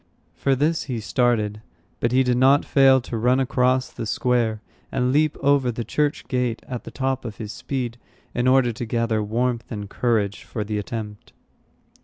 For this he started; but he did not fail to run across the square and leap over the church gate at the top of his speed, in order to gather warmth and courage for the attempt.